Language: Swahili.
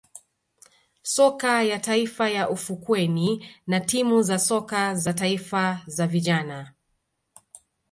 soka ya taifa ya ufukweni na timu za soka za taifa za vijana